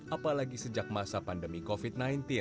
apalagi sejak masa pandemi covid sembilan belas